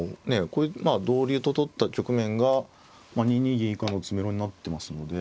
これでまあ同竜と取った局面が２二銀以下の詰めろになってますので。